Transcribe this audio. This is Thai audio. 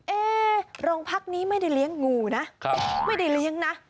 เอ๊โรงพักนี้ไม่ได้เลี้ยงงูนะไม่ได้เลี้ยงนะ